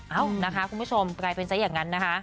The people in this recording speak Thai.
เอ้านะคะคุณผู้ชมกลายเป็นซะอย่างนั้นนะคะ